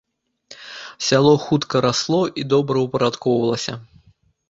Сяло хутка расло і добраўпарадкоўвалася.